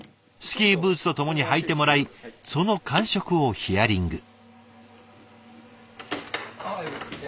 スキーブーツとともに履いてもらいその感触をヒアリング。